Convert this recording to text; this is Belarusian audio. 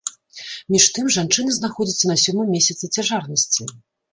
Між тым, жанчына знаходзіцца на сёмым месяцы цяжарнасці.